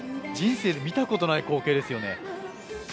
人生で見たことのない光景ですよね。